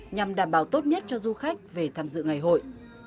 nhằm đảm bảo tốt nhất cho du khách về tham dự ngày hội